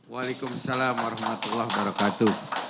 waalaikumsalam warahmatullah wabarakatuh